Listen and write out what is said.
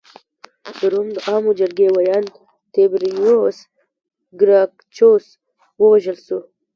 د روم د عوامو جرګې ویاند تیبریوس ګراکچوس ووژل شو